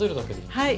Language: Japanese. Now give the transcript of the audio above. はい。